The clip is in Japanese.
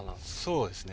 そうですね。